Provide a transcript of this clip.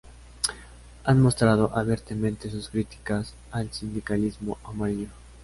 Han mostrado abiertamente sus críticas al sindicalismo amarillo.